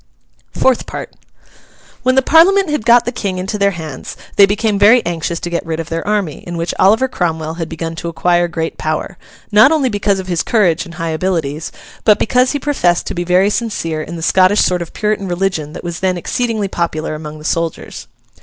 FOURTH PART When the Parliament had got the King into their hands, they became very anxious to get rid of their army, in which Oliver Cromwell had begun to acquire great power; not only because of his courage and high abilities, but because he professed to be very sincere in the Scottish sort of Puritan religion that was then exceedingly popular among the soldiers.